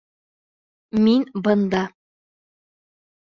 Мин бында!